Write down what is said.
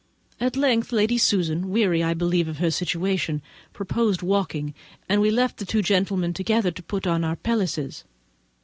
At length Lady Susan, weary, I believe, of her situation, proposed walking; and we left the two gentlemen together, to put on our pelisses.